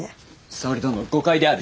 沙織殿誤解である。